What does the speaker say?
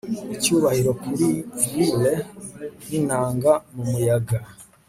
Icyubahiro kuri lyre ninanga mu muyaga